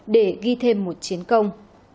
để ghi thêm một chiến công